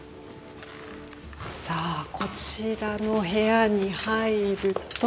さあこちらの部屋に入ると。